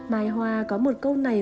mai hoa có một câu này